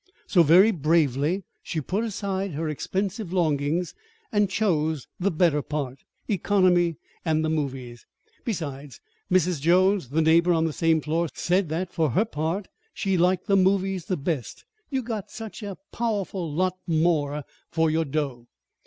So very bravely she put aside her expensive longings, and chose the better part economy and the movies. Besides, Mrs. Jones, the neighbor on the same floor, said that, for her part, she liked the movies the best, you got "such a powerful lot more for your dough."